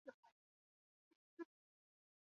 而多切斯特和罗克斯伯里则随着诺福克县成立。